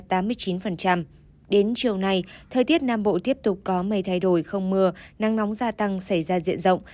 đến chiều nay thời tiết nam bộ tiếp tục có mây thay đổi không mưa nắng nóng gia tăng xảy ra diện rộng